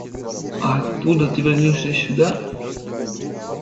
А оттуда ты вернешься сюда?